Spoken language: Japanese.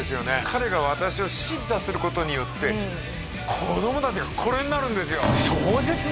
彼が私を叱咤することによって子供達がこれになるんですよ